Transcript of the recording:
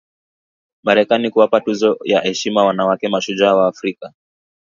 Marekani kuwapa tuzo ya heshima wanawake mashujaa wa Afrika